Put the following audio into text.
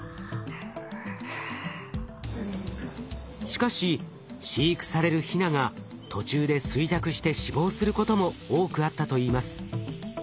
しかし飼育されるヒナが途中で衰弱して死亡することも多くあったといいます。